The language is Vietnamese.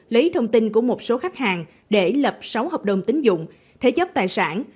lấy thông tin của một số khách hàng để lập sáu hợp đồng tính dụng thế chấp tài sản